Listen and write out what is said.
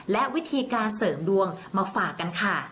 และวิธีการเสริมดวงมาฝากกันค่ะ